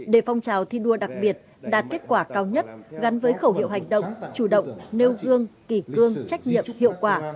để phong trào thi đua đặc biệt đạt kết quả cao nhất gắn với khẩu hiệu hành động chủ động nêu gương kỳ cương trách nhiệm hiệu quả